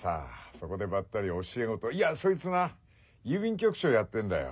そこでばったり教え子といやそいつな郵便局長やってんだよ。